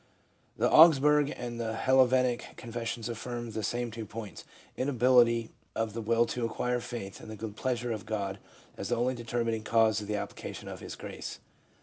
The Augsburg and the Hel vetic confessions affirm the same two points : Inability of the will to acquire faith and the good pleasure of God as the only determining cause of the application of His Grace.